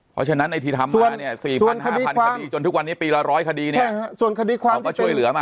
เพราะฉะนั้นในที่ทำมาเนี่ย๔๐๐๐๕๐๐๐คดีจนทุกวันนี้ปีละ๑๐๐คดีเนี่ย